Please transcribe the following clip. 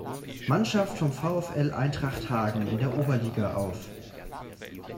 Mannschaft vom VfL Eintracht Hagen in der Oberliga auf.